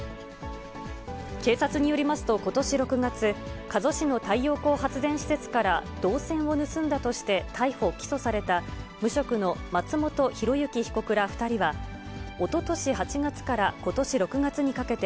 警察によりますと、ことし６月、加須市の太陽光発電施設から銅線を盗んだとして、逮捕・起訴された無職の松本広幸被告ら２人は、おととし８月からことし６月にかけて、